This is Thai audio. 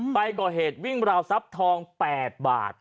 ไปก่อเหตุวิ่งราวทรัพย์ทอง๘บาท